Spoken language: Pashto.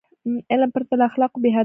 علم پرته له اخلاقو بېهدفه دی.